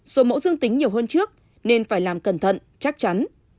số mẫu dương tính nhiều hơn trước nên phải làm cẩn thận chắc chắn